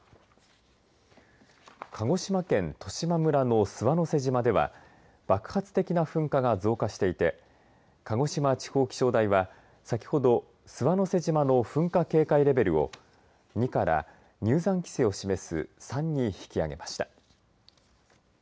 鹿児島県十島村の諏訪之瀬島では爆発的な噴火が増加していて鹿児島地方気象台は先ほど諏訪之瀬島の噴火警戒レベルを２から入山規制を示す３に引き上げました。